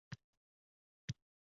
Beshik g‘ichirlaydi.